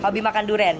hobi makan durian